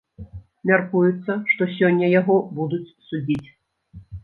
Мяркуецца, што сёння яго будуць судзіць.